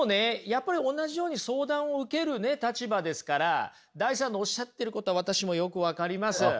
やっぱり同じように相談を受けるね立場ですからダイさんのおっしゃってることは私もよく分かります。